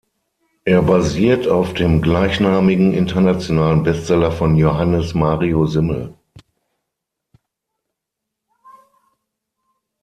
Er basiert auf dem gleichnamigen internationalen Bestseller von Johannes Mario Simmel.